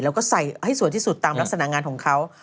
แล้วก็ใส่ให้สวยที่สุดตามลักษณะงานของเขา